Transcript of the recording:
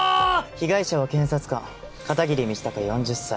被害者は検察官片桐道隆４０歳。